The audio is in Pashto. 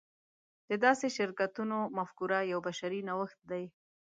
د داسې شرکتونو مفکوره یو بشري نوښت دی.